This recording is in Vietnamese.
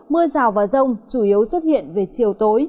mưa rào và rông chủ yếu xuất hiện về chiều tối